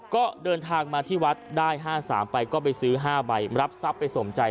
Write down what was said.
ก็เดินทางมาที่วัดได้๕๓ไปก็ไปซื้อ๕ใบรับทรัพย์ไปสมใจ